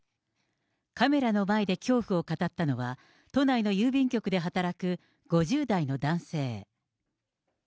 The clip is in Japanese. カメラの前で恐怖を語ったのは、都内の郵便局で働く５０代の男性。